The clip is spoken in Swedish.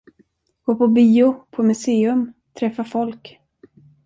Gå på bio, på museum, träffa folk.